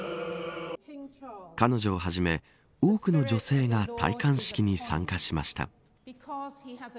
彼女をはじめ、多くの女性が戴冠式に参加しました。